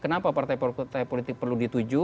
kenapa partai partai politik perlu dituju